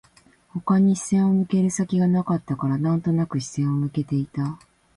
他に視線を向ける先がなかったから、なんとなく視線を向けていた